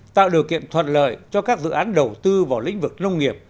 tạo điều kiện thuận lợi cho các dự án đầu tư vào lĩnh vực nông nghiệp